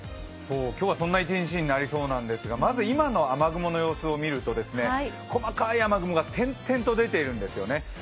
今日は、そんな一日になりそうですがまず今の雨雲の様子を見ると細かい雨雲が点々と出ているんですよね。